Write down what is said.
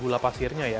gula pasirnya ya